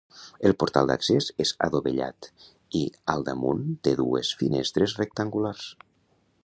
El portal d'accés és adovellat i al damunt te dues finestres rectangulars.